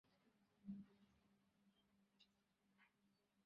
এই প্রশ্নটি পরমাত্মার বিকাশের প্রশ্নমাত্র।